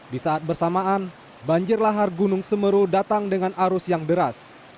di saat bersamaan banjir lahar gunung semeru datang dengan arus yang deras